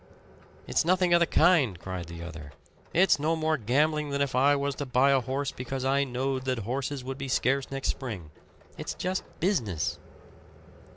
"It's nothing of the kind," cried the other. "It's no more gambling than if I was to buy a horse because I knowed that horses would be scarce next spring. It's just business."